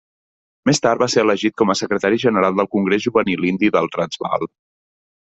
Més tard va ser elegit com a secretari general del Congrés Juvenil Indi del Transvaal.